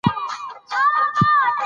حکومت هغه ازموینې ته نه پرېښود.